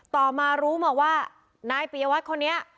ต่อมารู้มาว่านายปียวัตรคนนี้